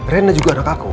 rina juga anak aku